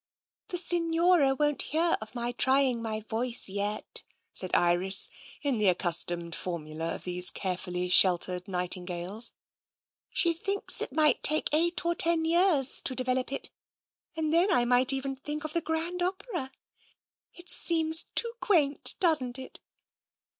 " The Signora won't hear of my trying my voice yet," said Iris, in the accustomed formula of these carefully sheltered nightingales. " She thinks it may take eight or ten years to develop it, and then I might even think of Grand Opera. It seems too quaint, doesn't it